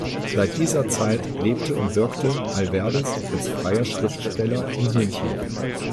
Seit dieser Zeit lebte und wirkte Alverdes als freier Schriftsteller in München.